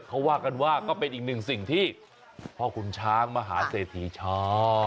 เขาว่ากันว่าก็เป็นอีกหนึ่งสิ่งที่พ่อขุนช้างมหาเศรษฐีชอบ